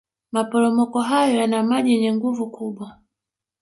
maporomoko hayo yaana maji yenye nguvu kubwa